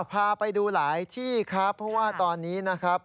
พาไปดูหลายที่ครับเพราะว่าตอนนี้นะครับ